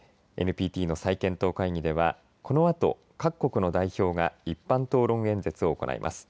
ＮＰＴの再検討会議ではこのあと各国の代表が一般討論演説を行います。